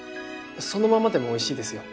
そのままでもおいしいですよ。